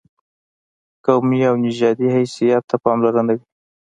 قومي او نژادي حیثیت ته پاملرنه وي.